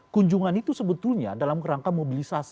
kunjungan itu sebetulnya dalam kerangka mobilisasi